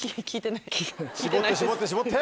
絞って絞って絞って！